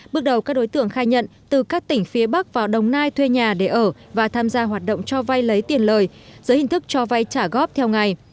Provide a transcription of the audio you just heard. bước đầu các đối tượng khai nhận từ các tỉnh phía bắc vào đồng nai thuê nhà để ở và tham gia hoạt động cho vay lấy tiền lời dưới hình thức cho vay trả góp theo ngày